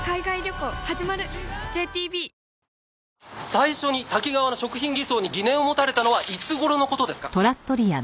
最初にタキガワの食品偽装に疑念を持たれたのはいつ頃の事ですか？